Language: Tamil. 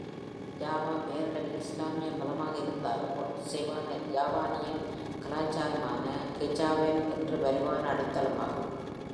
ஜாவா பெயரளவில் இஸ்லாமிய மதமாக இருந்தாலும், ஒத்திசைவான ஜாவானிய கலாச்சாரமான "கெஜாவென்" ஒரு வலுவான அடித்தளமாகும்.